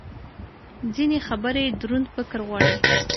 ځینې خبرې دروند فکر غواړي.